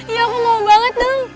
iya aku mau banget dong